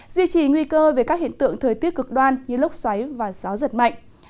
duy trì nguy cơ về các hiện tượng thời tiết cực đoan như lốc xoáy và gió giật mạnh